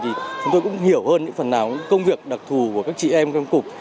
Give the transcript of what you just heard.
thì chúng tôi cũng hiểu hơn những phần nào những công việc đặc thù của các chị em trong cục